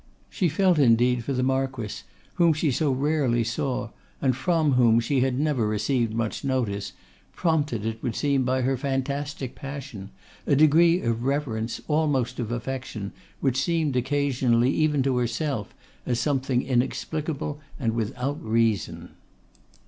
She felt indeed for the Marquess, whom she so rarely saw, and from whom she had never received much notice, prompted, it would seem, by her fantastic passion, a degree of reverence, almost of affection, which seemed occasionally, even to herself, as something inexplicable and without reason.